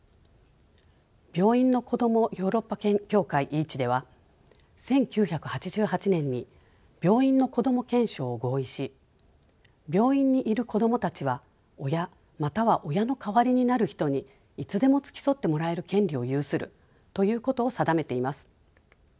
病院のこどもヨーロッパ協会ＥＡＣＨでは１９８８年に「病院のこども憲章」を合意し「病院にいるこどもたちは親または親の代わりになる人にいつでも付き添ってもらえる権利を有する」ということを定めています。